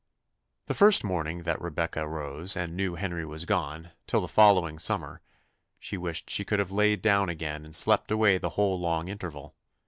The first morning that Rebecca rose and knew Henry was gone till the following summer, she wished she could have laid down again and slept away the whole long interval.